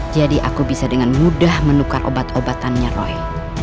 jadi aku bisa dengan mudah menukar obat obatannya roy